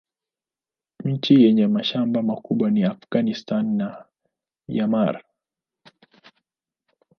Nchi yenye mashamba makubwa ni Afghanistan na Myanmar.